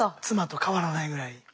妻と変わらないぐらい。